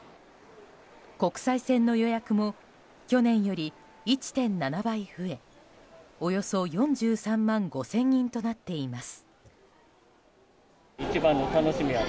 国際線の予約も去年より１．７倍増えおよそ４３万５０００人となっています。